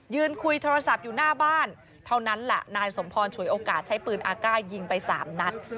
คุยโทรศัพท์อยู่หน้าบ้านเท่านั้นแหละนายสมพรฉวยโอกาสใช้ปืนอากาศยิงไปสามนัด